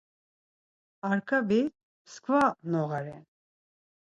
Arkabi mskva noğa ren.